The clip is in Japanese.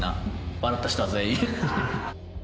笑った人は全員。